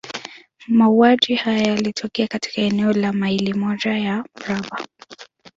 Mauaji haya yalitokea katika eneo la maili moja ya mraba.